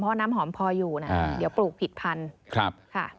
เพราะน้ำหอมพออยู่นะเดี๋ยวปลูกผิดพันธุ์ค่ะ